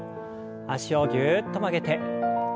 脚をぎゅっと曲げて。